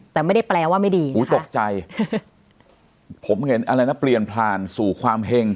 แต่ไม่ได้แปลว่าไม่ดีอุ้ยตกใจผมเห็นอะไรนะเปลี่ยนผ่านสู่ความเห็ง